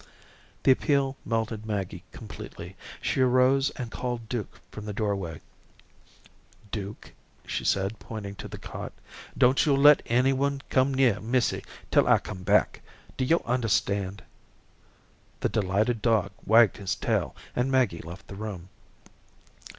The appeal melted Maggie completely. She arose and called Duke from the doorway. "Duke," she said, pointing to the cot, "don't yo' let any one come near missy till I come back. Do yo' understand?" The delighted dog wagged his tail, and Maggie left the room.